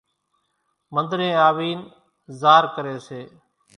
منۮرين آوين زار ڪري سي